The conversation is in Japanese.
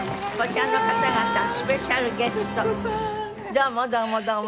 どうもどうもどうも。